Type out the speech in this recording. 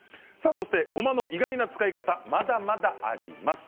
ごまの意外な使い方まだまだあります。